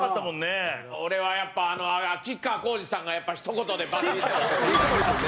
俺は、やっぱ吉川晃司さんがやっぱ、ひと言でバシッと。